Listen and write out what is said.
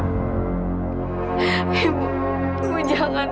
ibu ibu jangan